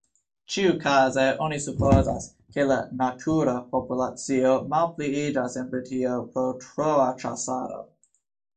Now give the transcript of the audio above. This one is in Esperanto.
Ĉiukaze oni supozas, ke la "natura" populacio malpliiĝas en Britio pro troa ĉasado.